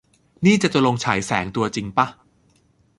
นี่ จาตุรนต์ ฉายแสง ตัวจริงป่ะ ?